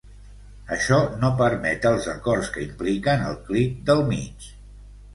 Això no permet els acords que impliquen el clic del mig.